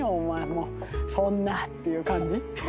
もうそんなっていう感じ？